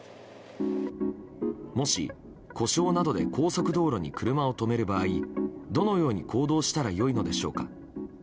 もし、故障などで高速道路に車を止める場合どのように行動したら良いのでしょうか。